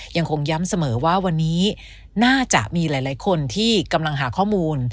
ยังคงย้ำเสมอว่าวันนี้น่าจะมีหลายคนที่กำลังหาข้อมูล